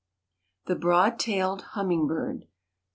THE BROAD TAILED HUMMINGBIRD.